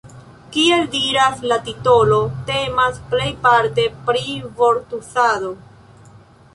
Kiel diras la titolo, temas plejparte pri vortuzado.